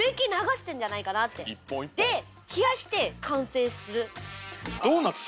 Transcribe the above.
で冷やして完成する。